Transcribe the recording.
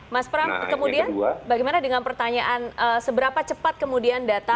mas pram kemudian bagaimana dengan pertanyaan seberapa cepat kemudian data